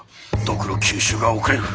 毒の吸収が遅れる。